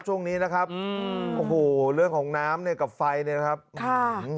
ช่วงนี้นะครับอืมโอ้โหเรื่องของน้ำเนี่ยกับไฟเนี่ยนะครับค่ะ